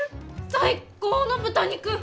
最高の豚肉！